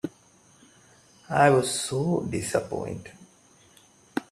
I was so dissapointed.